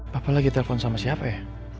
papan lagi telpon sama siapa ya